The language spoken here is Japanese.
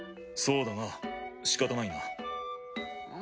そうだなしかたないな。